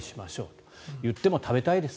といっても食べたいです。